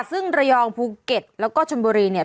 ซึ่งระยองภูเก็ตแล้วก็ชนบุรีเนี่ย